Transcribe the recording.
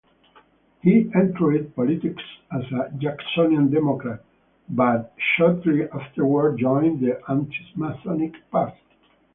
He entered politics as a Jacksonian Democrat, but shortly afterward joined the Anti-Masonic Party.